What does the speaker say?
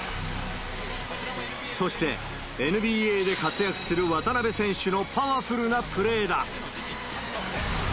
そして、ＮＢＡで活躍する渡邊選手のパワフルなプレーだ。